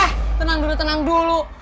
eh tenang dulu tenang dulu